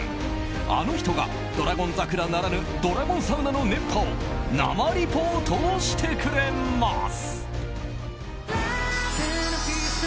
あの人が、「ドラゴン桜」ならぬドラゴンサウナの熱波を生リポートしてくれます！